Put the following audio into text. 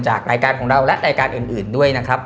รายการของเราและรายการอื่นด้วยนะครับ